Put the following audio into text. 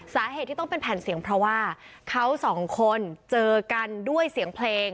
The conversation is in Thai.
สาเหตุที่ต้องเป็นแผ่นเสียงเพราะว่าเขาสองคนเจอกันด้วยเสียงเพลง